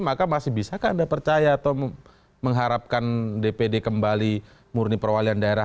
maka masih bisakah anda percaya atau mengharapkan dpd kembali murni perwalian daerah